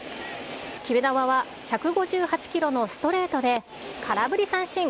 決め球は１５８キロのストレートで、空振り三振。